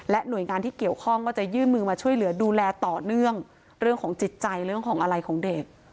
หน่วยงานที่เกี่ยวข้องก็จะยื่นมือมาช่วยเหลือดูแลต่อเนื่องเรื่องของจิตใจเรื่องของอะไรของเด็ก